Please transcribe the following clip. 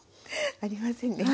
ありませんね。